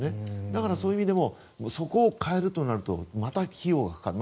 だから、そういう意味でもそこを変えるとなるとまた費用がかかる。